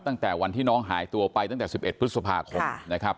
ตั้งแต่วันที่น้องหายตัวไปตั้งแต่๑๑พฤษภาคมนะครับ